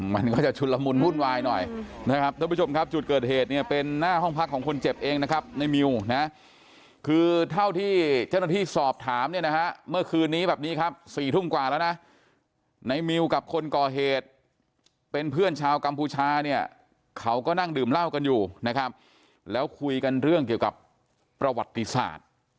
มันก็จะชุนละมุนวุ่นวายหน่อยนะครับท่านผู้ชมครับจุดเกิดเหตุเนี่ยเป็นหน้าห้องพักของคนเจ็บเองนะครับในมิวนะคือเท่าที่เจ้าหน้าที่สอบถามเนี่ยนะฮะเมื่อคืนนี้แบบนี้ครับ๔ทุ่มกว่าแล้วนะในมิวกับคนก่อเหตุเป็นเพื่อนชาวกัมพูชาเนี่ยเขาก็นั่งดื่มเหล้ากันอยู่นะครับแล้วคุยกันเรื่องเกี่ยวกับประวัติศาสตร์